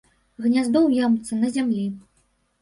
Гняздо ў ямцы на зямлі.